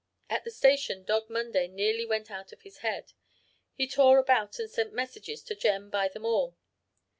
At the station Dog Monday nearly went out of his head. He tore about and sent messages to Jem by them all.